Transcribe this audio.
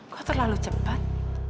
kok terlalu cepat